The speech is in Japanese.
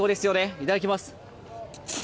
いただきます。